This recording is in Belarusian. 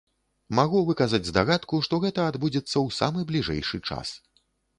Магу выказаць здагадку, што гэта адбудзецца ў самы бліжэйшы час.